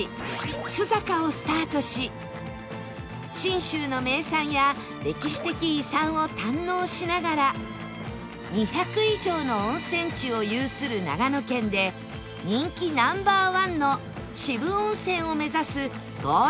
須坂をスタートし信州の名産や歴史的遺産を堪能しながら２００以上の温泉地を有する長野県で人気 Ｎｏ．１ の渋温泉を目指すゴールデンルートです